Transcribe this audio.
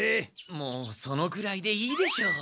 もうそのくらいでいいでしょう。